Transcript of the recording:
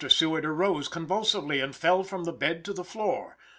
Seward arose convulsively and fell from the bed to the floor.